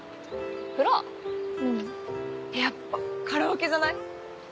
うんやっぱカラオケじゃない？